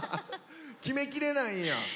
決め切れないんや。